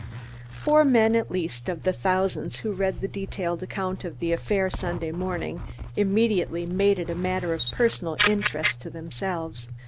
Four men, at least, of the thousands who read the detailed account of the affair Sunday morning, immediately made it a matter of personal interest to themselves.